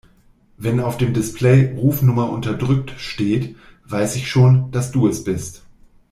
Wenn auf dem Display "Rufnummer unterdrückt" steht, weiß ich schon, dass du es bist.